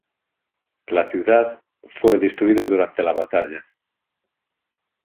La ciudad fue destruida durante la batalla.